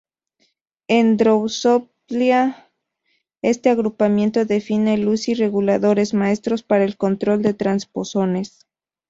En "Drosophila", este agrupamiento define loci reguladores maestros para el control de transposones.